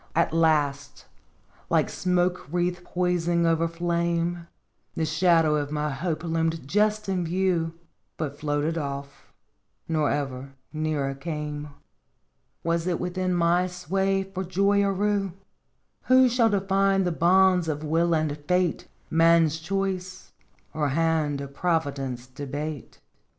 " At last, like smoke wreath poising over flame, The shadow of my hope loomed just in view, But floated off, nor ever nearer came. Was it within my sway for joy or rue? Who shall define the bounds of will and fate, Man's choice, or hand of Providence debate?